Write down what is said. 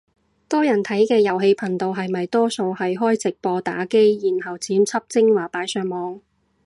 多人睇嘅遊戲頻道係咪多數係開直播打機，然後剪輯精華擺上網